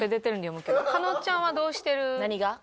加納ちゃんはどうしてる？